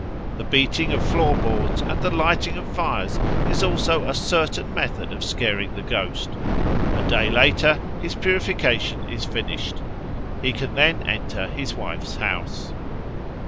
The beating of flooring boards and the lighting of fires is also a certain method of scaring the ghost. A day later his purification is finished. He can then enter his wife's house."